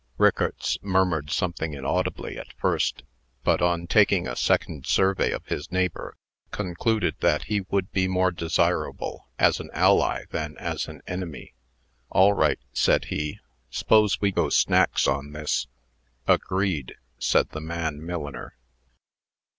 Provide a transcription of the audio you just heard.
Rickarts murmured something inaudibly, at first but, on taking a second survey of his neighbor, concluded that he would be more desirable as an ally than as an enemy. "All right," said he; "s'pose we go snacks on this?" "Agreed," said the man milliner.